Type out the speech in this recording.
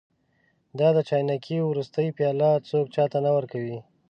دا د چاینکې وروستۍ پیاله څوک چا ته نه ورکوي.